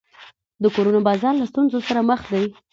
د کورونو بازار له ستونزو سره مخ دی.